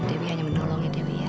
dewi hanya menolong ya dewi ya